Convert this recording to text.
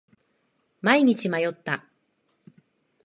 毎日迷った。